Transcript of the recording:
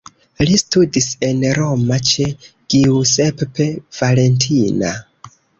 Li studis en Roma ĉe Giuseppe Valentina.